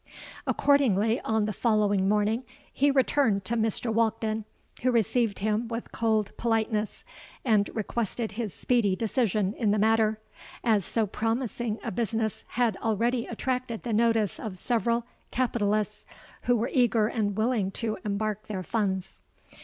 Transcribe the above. Accordingly, on the following morning, he returned to Mr. Walkden, who received him with cold politeness, and requested his speedy decision in the matter—'as so promising a business had already attracted the notice of several capitalists, who were eager and willing to embark their funds.'